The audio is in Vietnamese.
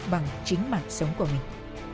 bằng chính mạng sống của mình